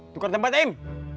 tukar tempat im